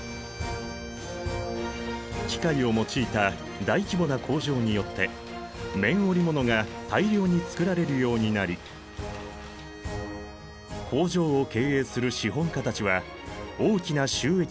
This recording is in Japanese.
機械を用いた大規模な工場によって綿織物が大量に作られるようになり工場を経営する資本家たちは大きな収益をあげた。